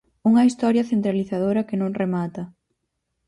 Unha historia centralizadora que non remata.